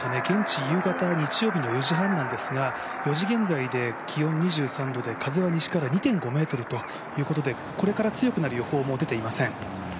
現地、夕方日曜日の４時半なんですが４時現在で気温２３度で、風は西から２．５メートルということでこれから強くなる予報も出ていません。